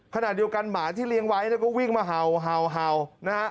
ขนาดเดียวกันหมาที่เลี้ยงไว้ก็วิ่งมาเห่านะครับ